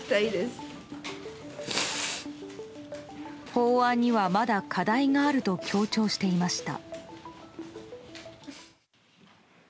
法案には、まだ課題があると強調していました。